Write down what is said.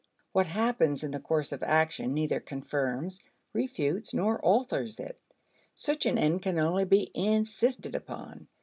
What happens in the course of action neither confirms, refutes, nor alters it. Such an end can only be insisted upon.